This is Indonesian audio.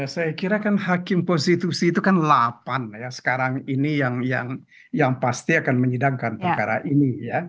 saya kira kan hakim konstitusi itu kan delapan ya sekarang ini yang pasti akan menyidangkan perkara ini